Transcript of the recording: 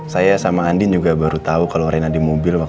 saya sama andien juga baru tahu kalau rena itu masuk ke mobil saya bu